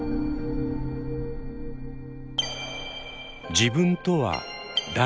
「自分とは誰か？」。